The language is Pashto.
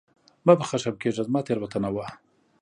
مه په خښم کېږه ، زما تېروتنه وه !